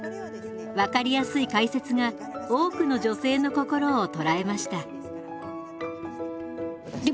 分かりやすい解説が多くの女性の心を捉えました。